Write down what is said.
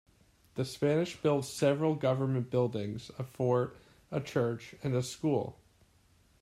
The Spanish built several government buildings, a fort, a church and a school.